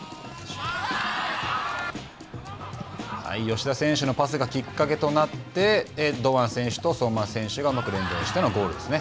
吉田選手のパスがきっかけとなって堂安選手と相馬選手がうまく連動してのゴールですね。